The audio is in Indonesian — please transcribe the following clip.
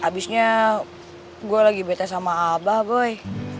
abisnya gue lagi bete sama abah boy